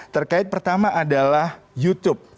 terkait pertama adalah youtube